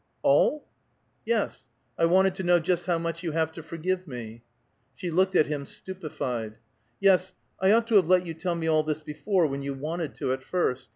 "All?" "Yes. I wanted to know just how much you have to forgive me." She looked at him stupefied. "Yes, I ought to have let you tell me all this before, when you wanted to, at first.